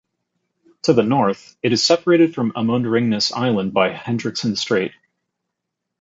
To the north, it is separated from Amund Ringnes Island by Hendriksen Strait.